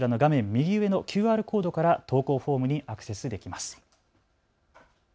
右上のＱＲコードから投稿フォームにアクセスできます。